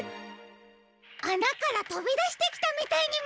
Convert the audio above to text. あなからとびだしてきたみたいにみえます！